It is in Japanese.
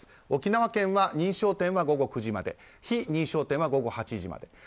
沖縄県は認証店は午後９時まで非認証店は午後８時まで。